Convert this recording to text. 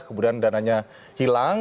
kemudian dananya hilang